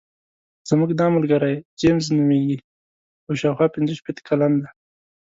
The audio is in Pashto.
زموږ دا ملګری جیمز نومېږي او شاوخوا پنځه شپېته کلن دی.